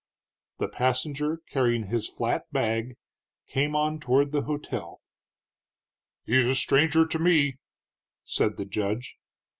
The passenger, carrying his flat bag, came on toward the hotel. "He's a stranger to me," said the judge.